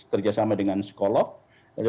kerjasama dengan psikolog